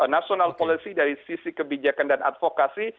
national policy dari sisi kebijakan dan advokasi